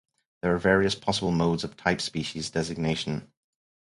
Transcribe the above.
There are various possible modes of type species designation.